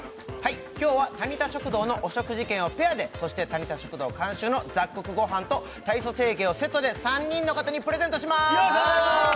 今日はタニタ食堂のお食事券をペアでそしてタニタ食堂監修の雑穀ごはんと体組成計をセットで３人の方にプレゼントしますよいしょ！